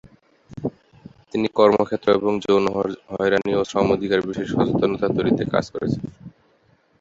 তিনি কর্মক্ষেত্র এবং যৌন হয়রানি ও শ্রম অধিকার বিষয়ে সচেতনতা তৈরিতে কাজ করেছেন।